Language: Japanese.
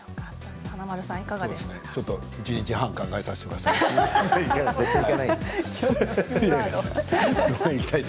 ちょっと一日半考えさせてください。